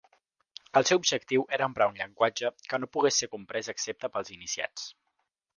El seu objectiu era emprar un llenguatge que no pogués ser comprès excepte pels iniciats.